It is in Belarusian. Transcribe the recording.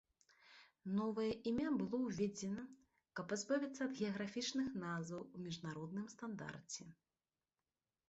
Новае імя было ўведзена, каб пазбавіцца ад геаграфічных назваў у міжнародным стандарце.